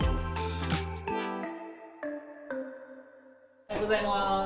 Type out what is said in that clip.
おはようございます。